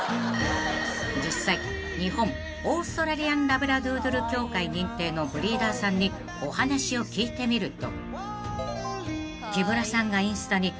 ［実際日本オーストラリアン・ラブラドゥードル協会認定のブリーダーさんにお話を聞いてみると］